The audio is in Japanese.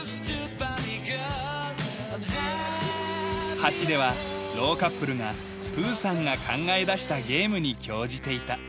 橋では老カップルがプーさんが考え出したゲームに興じていた。